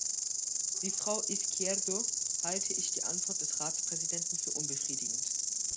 Wie Frau Izquierdo halte ich die Antwort des Ratspräsidenten für unbefriedigend.